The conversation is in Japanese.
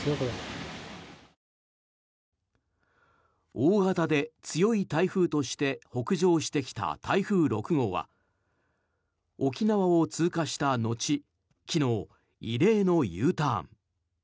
大型で強い台風として北上してきた台風６号は沖縄を通過した後昨日、異例のＵターン。